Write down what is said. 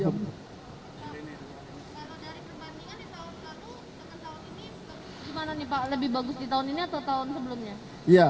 gimana nih pak lebih bagus di tahun ini atau tahun sebelumnya